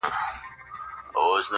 د زغم ونې خوږې مېوې لري؛